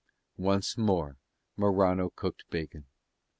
Once more Morano cooked bacon.